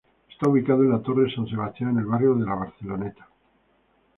Está ubicada en la Torre San Sebastián en el barrio de la Barceloneta.